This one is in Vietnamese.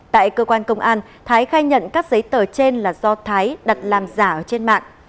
tại cơ quan công an thái khai nhận các giấy tờ trên là do thái đặt làm giả trên mạng